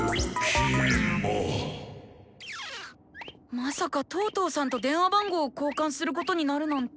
まさかトートーさんと電話番号を交換することになるなんて。